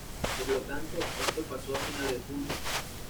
Por lo tanto, esto pasó a finales de junio.